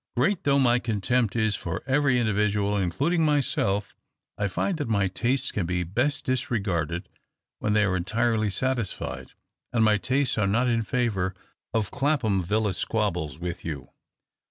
Great though my contempt is for every individual, including myself, I find that my tastes can be best disregarded when they are entirely satis fied, and my tastes are not in favour of Clapham Villa squabbles with you.